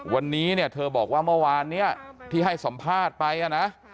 วันนี้เนี่ยเธอบอกว่าเมื่อวานเนี่ยที่ให้สัมภาษณ์ไปนะ